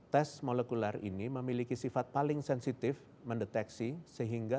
tes molekuler ini memiliki sifat paling sensitif mendeteksi sehingga